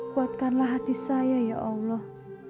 kuatkanlah hati saya ya allah